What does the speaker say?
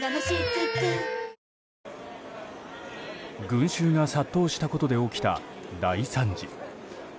群衆が殺到したことで起きた大惨事。